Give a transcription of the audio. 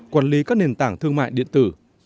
quản lý các nền tảng thương mại điện tử